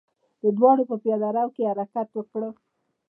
دواړو په پياده رو کې حرکت وکړ.